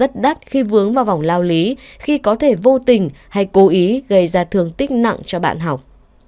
và rất đắt khi vướng vào vòng lao lý khi có thể vô tình hay cố ý gây ra thương tích nặng cho bạn học